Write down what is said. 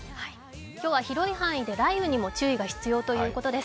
今日は広い範囲で雷雨にも注意が必要ということです。